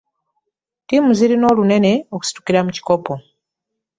Ttiimu zirina olunene okusitukira mu kikopo.